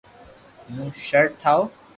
ھون ݾرٽ ٺاو